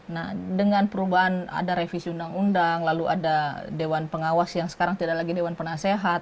nah dengan perubahan ada revisi undang undang lalu ada dewan pengawas yang sekarang tidak lagi dewan penasehat